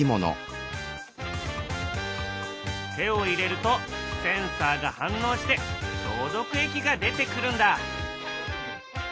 手を入れるとセンサーが反応して消毒液が出てくるんだ。